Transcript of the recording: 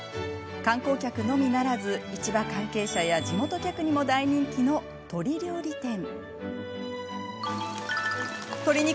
観光客のみならず、市場関係者や地元客にも大人気の鶏料理店。